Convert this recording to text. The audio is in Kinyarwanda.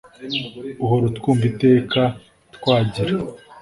uhor'utwumv'iteka twagira